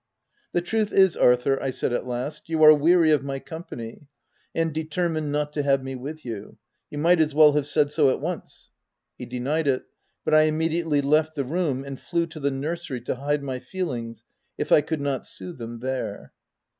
"The truth is, Arthur," I said at last, "you are weary of my company, and determined not to have me with you. You might as well have said so at once." He denied it; but I immediately left the room, and flew to the nursery to hide my feel ings, if I could not sooth them, there.